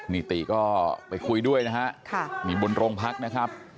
นี่ติก็ไปคุยด้วยนะฮะมีบนโรงพักนะครับ